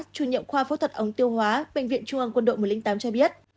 chủ nhiệm khoa phẫu thuật ống tiêu hóa bệnh viện trung ương quân đội một trăm linh tám cho biết